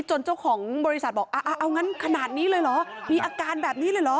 เจ้าของบริษัทบอกเอางั้นขนาดนี้เลยเหรอมีอาการแบบนี้เลยเหรอ